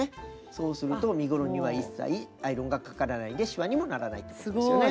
そうすると身ごろには一切アイロンがかからないでしわにもならないってことですよね。